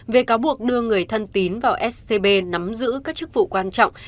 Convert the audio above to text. về cáo buộc đưa người thân tín vào scb nắm giữ các chức vụ quan trọng